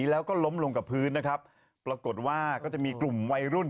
แล้วก็ล้มลงกับพื้นนะครับปรากฏว่าก็จะมีกลุ่มวัยรุ่น